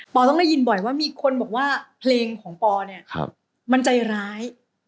ต้องได้ยินบ่อยว่ามีคนบอกว่าเพลงของปอเนี่ยมันใจร้าย